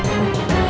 aku akan menangkanmu